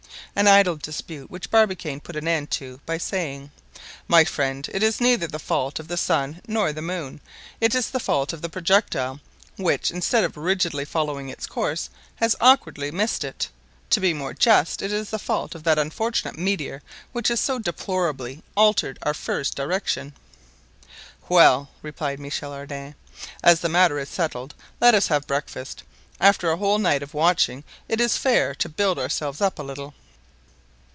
An idle dispute, which Barbicane put an end to by saying: "My friends, it is neither the fault of the sun nor of the moon; it is the fault of the projectile, which, instead of rigidly following its course, has awkwardly missed it. To be more just, it is the fault of that unfortunate meteor which has so deplorably altered our first direction." "Well," replied Michel Ardan, "as the matter is settled, let us have breakfast. After a whole night of watching it is fair to build ourselves up a little."